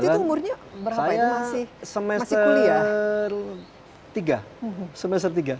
waktu itu umurnya berapa ini masih kuliah